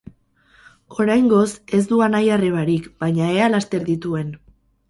Oraingoz, ez du anai-arrebarik, baina ea laster dituen.